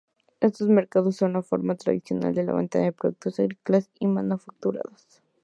Estos mercados son la forma tradicional de venta de productos agrícolas y manufacturados.